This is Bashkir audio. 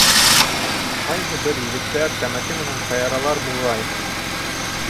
Ҡайһы бер егеттәр тәмәке менән шаяралар, буғай.